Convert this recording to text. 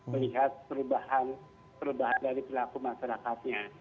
melihat perubahan dari perilaku masyarakatnya